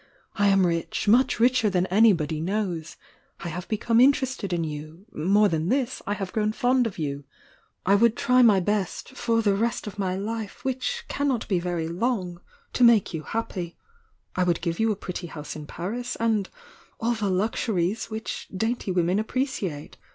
I am rich — much richer than anybody knows. I have become interested in you — more than Uiis, I have grown fond of you. I would try my best — for the rest of my life — which cannot be very long — to make you happy. I would give you a pretty house in Paris — and all the luxuries which dainty women appreciate.